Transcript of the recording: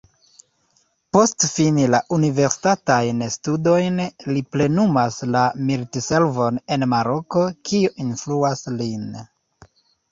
Post fini la universitatajn studojn, li plenumas la militservon en Maroko, kio influas lin.